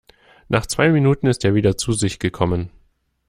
Nach zwei Minuten ist er wieder zu sich gekommen.